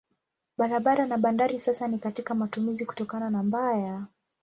Barabara na bandari sasa si katika matumizi kutokana na mbaya.